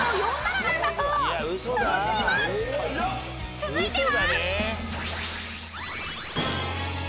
［続いては］